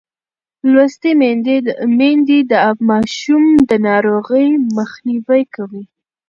لوستې میندې د ماشوم د ناروغۍ مخنیوی کوي.